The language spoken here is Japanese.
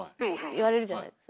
言われるじゃないですか。